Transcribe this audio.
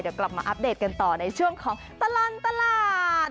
เดี๋ยวกลับมาอัปเดตกันต่อในช่วงของตลอดตลาด